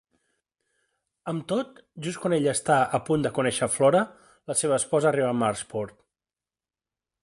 Amb tot, just quan ell està a punt de conèixer Flora, la seva esposa arriba a Marsport.